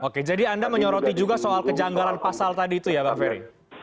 oke jadi anda menyoroti juga soal kejanggalan pasal tadi itu ya bang ferry